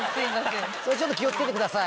それちょっと気を付けてください